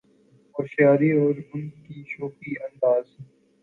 ہوشیاری اور ان کی شوخی انداز